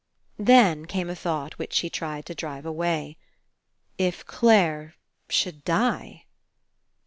Then came a thought which she tried to drive away. If Clare should die